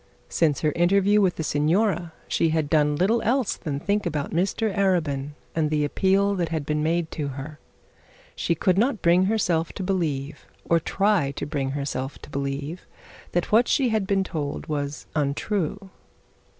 Since her interview with the signora she had done little else than think about Mr Arabin, and the appeal that had been made to her. She could not bring herself to believe or try to bring herself to believe, that what she had been told was untrue.